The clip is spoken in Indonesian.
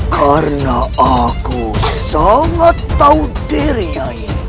karena aku sangat tahu dirinya